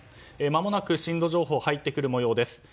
まもなく震度情報が入ってくる模様です。